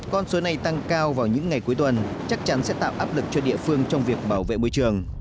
con số này tăng cao vào những ngày cuối tuần chắc chắn sẽ tạo áp lực cho địa phương trong việc bảo vệ môi trường